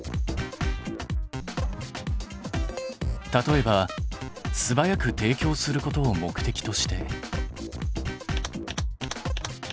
例えばすばやく提供することを目的として。